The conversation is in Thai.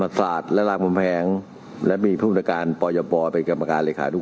มีศาสตราจารย์พิเศษวิชามหาคุณเป็นประธานคณะกรรมการไปรูปประเทศด้านกรวมความวิทยาลัยธรรม